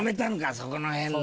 そこの辺の。